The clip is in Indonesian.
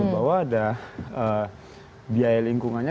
bahwa ada biaya lingkungannya